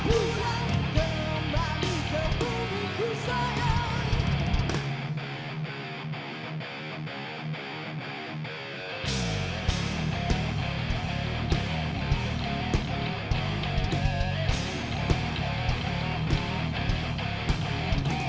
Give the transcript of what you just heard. untuk pertandingan pertandingan olimpik seperti partitipasi ini